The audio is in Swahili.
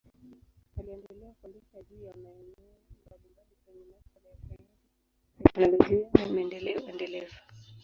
Aliendelea kuandika juu ya maeneo mbalimbali kwenye masuala ya sayansi, teknolojia na maendeleo endelevu.